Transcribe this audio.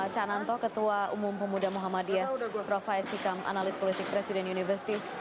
cananto ketua umum pemuda muhammadiyah profes hikam analis politik presiden university